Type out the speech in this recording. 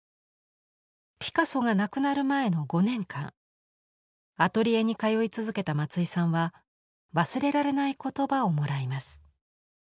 ピカソが亡くなる前の５年間アトリエに通い続けた松井さんは忘れられない言葉をもらいます。